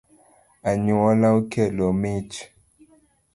Anyuola okelo mich